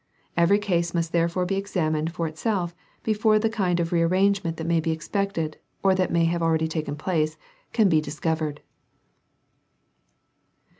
Every case must therefore be examined for itself before the kind of re arrangement that may be expected or that may have already taken place can be discovered.